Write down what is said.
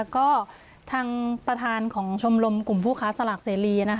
ก็ทางประธานของชมรมกลุ่มผู้ค้าสลากเสรี